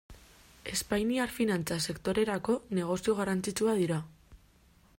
Espainiar finantza sektorerako negozio garrantzitsua dira.